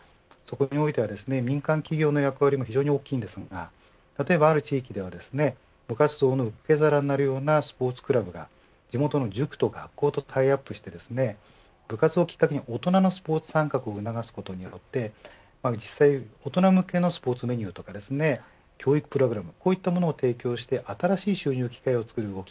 そこにおいては民間企業の役割も非常に大きいんですが例えば、ある地域では部活動の受け皿になるようなスポーツクラブが地元の塾と学校とタイアップして部活をきっかけに大人のスポーツ参画を促すことによって実際、大人向けのスポーツメニューとか教育プログラムこういったものを提供して新しい収入機会をつくる動き